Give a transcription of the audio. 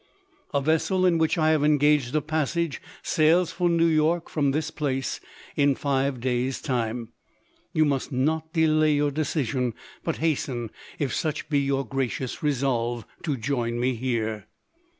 A vessel, in which I have engaged a passage, sails for New York, from this place, in five days time. You must not delay your decision ; but hasten, if such be your gracious resolve, to join me here.